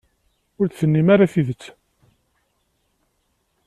Ur d-tennim ara tidet.